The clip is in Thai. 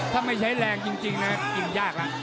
ถ้าไม่ใช้แรงจริงนะจริงยากละ